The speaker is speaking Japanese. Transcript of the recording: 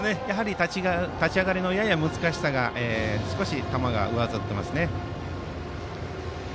立ち上がりの難しさで少し球が上ずっていますね。